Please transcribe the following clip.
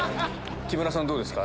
木村さんどうですか？